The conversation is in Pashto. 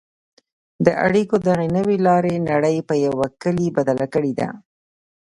د اړیکو دغې نوې لارې نړۍ په یوه کلي بدله کړې ده.